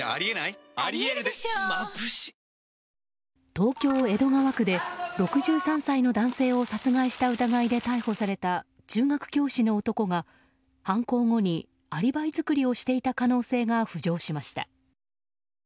東京・江戸川区で６３歳の男性を殺害した疑いで逮捕された中学教師の男が犯行後にアリバイ作りをしていた可能性が浮上しました。